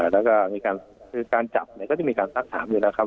แล้วก็มีการคือการจับเนี่ยก็จะมีการซักถามอยู่แล้วครับ